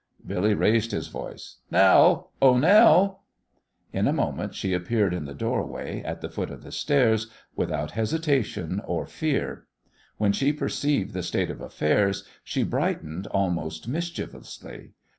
Billy raised his voice. "Nell! Oh, Nell!" In a moment she appeared in the doorway at the foot of the stairs, without hesitation or fear. When she perceived the state of affairs, she brightened almost mischievously.